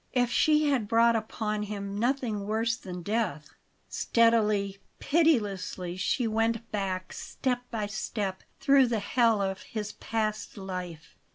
If she had brought upon him nothing worse than death Steadily, pitilessly she went back, step by step, through the hell of his past life.